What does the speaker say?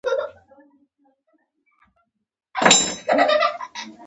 امیر پر سید نور هم بدګومانه کړ.